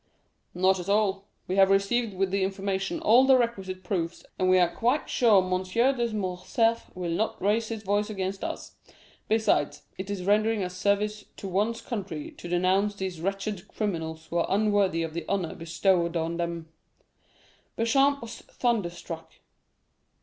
"Not at all; we have received with the information all the requisite proofs, and we are quite sure M. de Morcerf will not raise his voice against us; besides, it is rendering a service to one's country to denounce these wretched criminals who are unworthy of the honor bestowed on them." Beauchamp was thunderstruck.